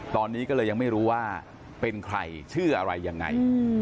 ตอนนี้ก็เลยยังไม่รู้ว่าเป็นใครชื่ออะไรยังไง